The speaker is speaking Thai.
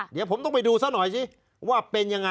เดี๋ยวผมต้องไปดูซะหน่อยสิว่าเป็นยังไง